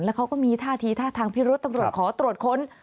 แล้วเขาก็มีท่าทีท่าทางพิรุษตำรวจขอตรวจค้น